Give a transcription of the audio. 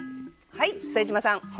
はい副島さん。